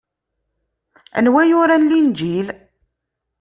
Anwa yuran Linǧil?